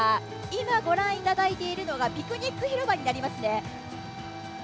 今ご覧いただいているのがピクニック広場になりますね。